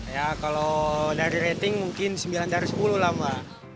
ya kalau dari rating mungkin sembilan dari sepuluh lah mbak